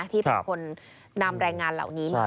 ที่เป็นคนนำแรงงานเหล่านี้มา